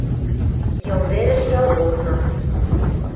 Йыл тӹрӹш ялгорны